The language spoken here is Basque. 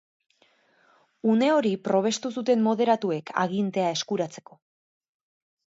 Une hori probestu zuten moderatuek agintea eskuratzeko.